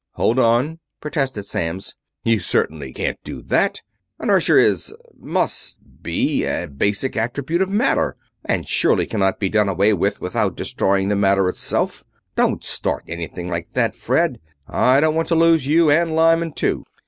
"Hold on!" protested Samms. "You certainly can't do that! Inertia is must be a basic attribute of matter, and surely cannot be done away with without destroying the matter itself. Don't start anything like that, Fred I don't want to lose you and Lyman, too."